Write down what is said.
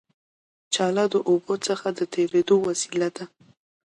جاله د اوبو څخه د تېرېدو وسیله ده